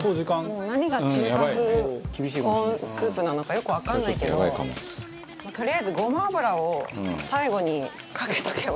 何が中華風コーンスープなのかよくわかんないけどとりあえずごま油を最後にかけとけば。